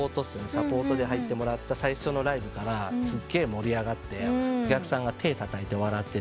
サポートで入ってもらった最初のライブからすげえ盛り上がってお客さんが手たたいて笑ってて。